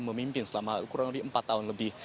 memimpin selama kurang lebih empat tahun lebih